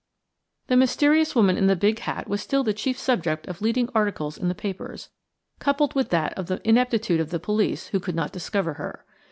The mysterious woman in the big hat was still the chief subject of leading articles in the papers, coupled with that of the ineptitude of the police who could not discover her.